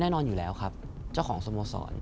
แน่นอนอยู่แล้วครับเจ้าของสโมสร